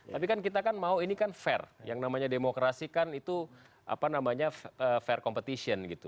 tapi kan kita kan mau ini kan fair yang namanya demokrasi kan itu apa namanya fair competition gitu